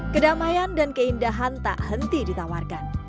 kedamaian dan keindahan tak henti ditawarkan